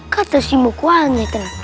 kata si mokwannya tenang